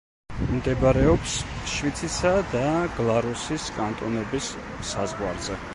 მდებარეობს შვიცისა და გლარუსის კანტონების საზღვარზე.